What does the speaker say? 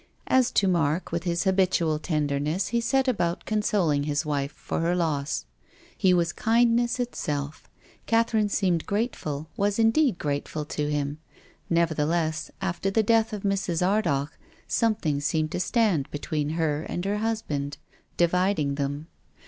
As to Mark, with his habitual tenderness he set about consoling his wife for her loss. lie was kindness itself. Cath erine seemed grateful, was indeed grateful to him. Nevertheless, after the death of Mrs. Ardagh, something seemed to stand between her and her husband, dividing them.